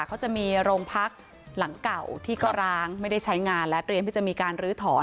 เขาจะมีโรงพักหลังเก่าที่ก็ร้างไม่ได้ใช้งานและเตรียมที่จะมีการลื้อถอน